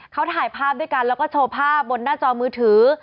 เขาถ่ายภาพด้วยกันแล้วก็โชว์ภาพบนหน้าจอมือถือ